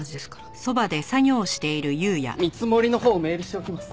見積もりのほうメールしておきます。